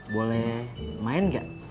boleh main gak